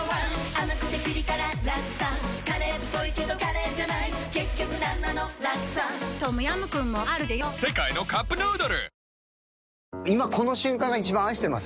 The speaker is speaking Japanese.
甘くてピリ辛ラクサカレーっぽいけどカレーじゃない結局なんなのラクサトムヤムクンもあるでヨ世界のカップヌードル